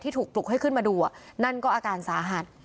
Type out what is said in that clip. ถูกปลุกให้ขึ้นมาดูนั่นก็อาการสาหัส